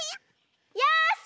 よし！